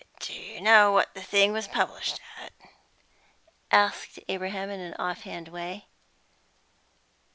"Do you know what the thing was published at?" asked Abraham in an off hand way.